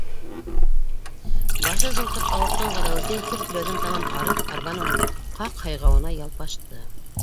- Башы зыңҡып ауыртҡан Ғәләүетдин, күп һөйләүҙән тамам арып, арбаның ҡаҡ һайғауына ялпашты.